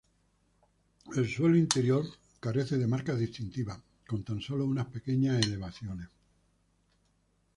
El suelo interior carece de marcas distintivas, con tan solo unas pequeñas elevaciones.